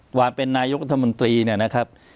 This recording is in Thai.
กว่าเป็นนายกดมนตรีเนี่ยนะครับ